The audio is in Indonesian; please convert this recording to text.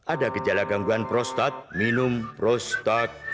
ada gejala gangguan prostat minum prostat